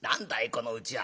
このうちは。